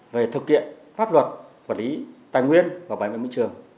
về thực hiện pháp luật quản lý tài nguyên và bảo vệ môi trường